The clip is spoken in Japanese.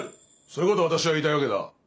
そういうことを私は言いたいわけだ。